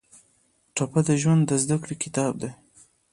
ټپه د ژوند د زده کړې کتاب دی.